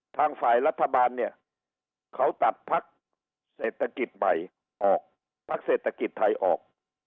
ทางฝ่ายรัฐบาลเนี่ยเขาตัดพักเศรษฐกิจไทยออก